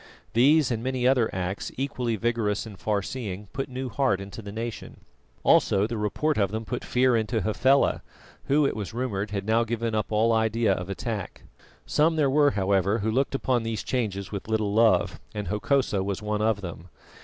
These and many other acts, equally vigorous and far seeing, put new heart into the nation. Also the report of them put fear into Hafela, who, it was rumoured, had now given up all idea of attack. Some there were, however, who looked upon these changes with little love, and Hokosa was one of them.